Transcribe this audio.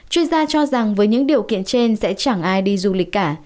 chuyên gia cho rằng với những điều kiện trên sẽ chẳng ai đi du lịch cả